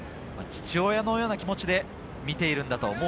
父親のような気持ちで見ているんだと。